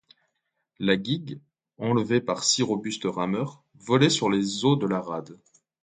La guigue, enlevée par six robustes rameurs, volait sur les eaux de la rade.